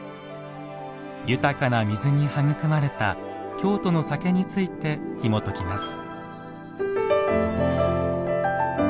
豊かな水に育まれた京都の酒についてひもときます。